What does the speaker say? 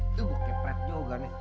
itu bukanya pret juga nih